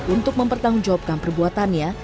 untuk mempertanggungjawabkan perbuatannya